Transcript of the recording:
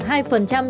hai phần trăm